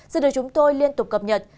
sẽ được chúng tôi liên tục cập nhật